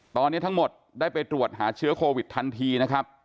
ตอนนี้ทั้งหมดได้ไปตรวจหาเชื้อโควิดทันทีนะครับ